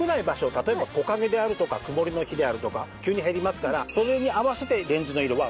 例えば木陰であるとか曇りの日であるとか急に減りますからそれに合わせてレンズの色は薄くなります。